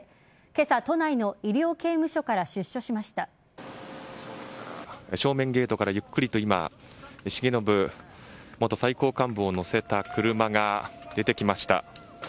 今朝、都内の医療刑務所から正面ゲートから、ゆっくりと今重信元最高幹部を乗せた車が出てきました。